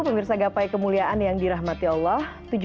pemirsa gapai kemuliaan yang dirahmati allah